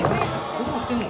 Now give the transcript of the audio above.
どうなってるの？